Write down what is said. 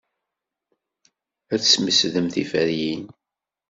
Ad tesmesdem tiferyin.